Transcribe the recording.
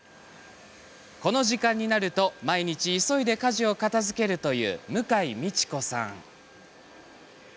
この時間になると毎日急いで家事を片づけるという向井理子さん。